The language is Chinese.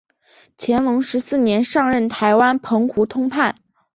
乾隆十四年上任台湾澎湖通判。